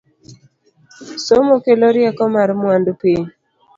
Somo kelo rieko mar mwandu piny